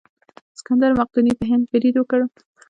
سکندر مقدوني په هند برید وکړ.